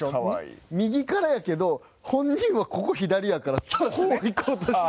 右からやけど本人はここ左やからこういこうとして。